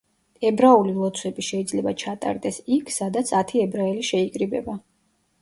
ებრაული ლოცვები შეიძლება ჩატარდეს იქ, სადაც ათი ებრაელი შეიკრიბება.